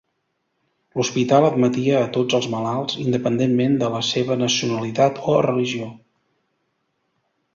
L'hospital admetia a tots els malalts, independentment de la seva nacionalitat o religió.